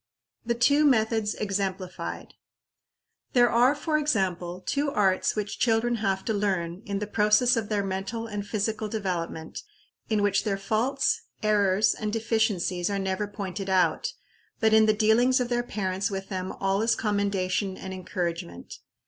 The two Methods exemplified. There are, for example, two arts which children have to learn, in the process of their mental and physical development, in which their faults, errors, and deficiencies are never pointed out, but in the dealings of their parents with them all is commendation and encouragement.